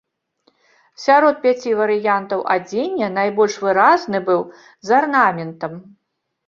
Сярод пяці варыянтаў адзення найбольш выразны быў з арнаментам.